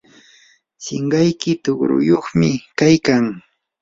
sinqayki tuqruyuqmi kaykan.